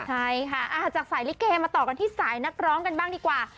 ใช่ค่ะจากสายลิเกมาต่อกันที่สายนักร้องกันบ้างดีกว่า